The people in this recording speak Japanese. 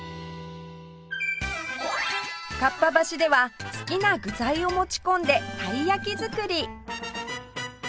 合羽橋では好きな具材を持ち込んでたい焼き作り！